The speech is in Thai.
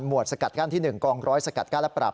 หมวดสกัดกั้นที่หนึ่งกล้องร้อยสกัดกั้นและปรากราบ